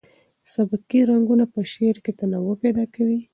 سبکي رنګونه په شعر کې تنوع پیدا کوي.